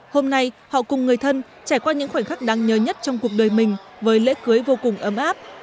hôm nay họ cùng người thân trải qua những khoảnh khắc đáng nhớ nhất trong cuộc đời mình với lễ cưới vô cùng ấm áp